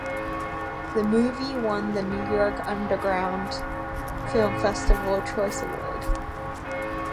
The movie won the New York Underground Film Festival Choice award.